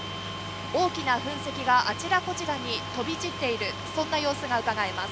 大きな噴石があちらこちらに飛び散っている様子がうかがえます。